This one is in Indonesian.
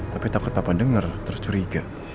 tapi takut dapat denger terus curiga